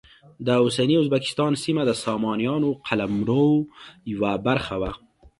د اوسني ازبکستان سیمه د سامانیانو قلمرو یوه برخه وه.